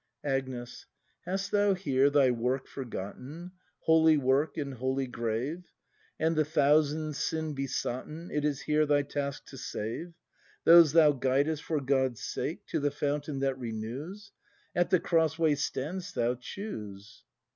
Agnes. Hast thou here thy work forgotten, Holy work — and holy grave ? And the thousands sin besotten. It is here thy task to save — Those thou guidest for God's sake To the Fountain that renews? At the cross way stand'st thou: choose!